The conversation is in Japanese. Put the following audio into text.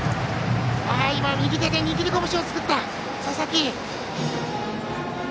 右手で握り拳を作った佐々木。